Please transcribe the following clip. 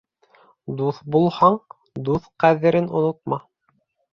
Дуҫ булһаң, дуҫ ҡәҙерен онотма.